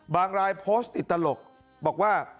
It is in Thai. รายโพสต์ติดตลกบอกว่า